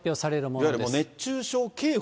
いわゆる熱中症警報？